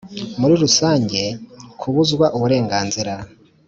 Muri rusange kubuzwa uburenganzira